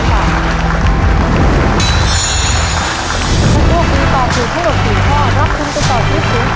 ถ้าตอบถูกตอบถูกถูกข้อลักษณ์ก็ตอบถูกสูงสุด